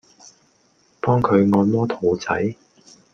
幫佢按摩肚仔